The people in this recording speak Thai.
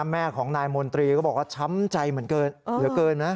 แม่ของนายมนตรีก็บอกว่าช้ำใจเหลือเกินนะ